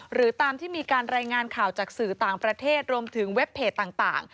หรือตามที่มีการรายงานข่าวจากสื่อต่างประเทศรวมถึงเว็บเพจต่าง